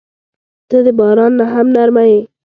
• ته د باران نه هم نرمه یې.